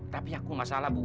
tapi aku nggak salah bu